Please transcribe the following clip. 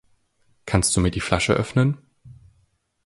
Kannst du mir die Flasche öffnen?